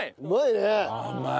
うまい！